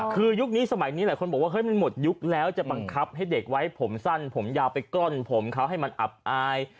คือยุคนี้สมัยนี้หลายคนบอกว่าเฮ้ยมันหมดยุคแล้วจะบังคับให้เด็กไว้ผมสั้นผมยาวไปกล้อนผมเขาให้มันอับอาย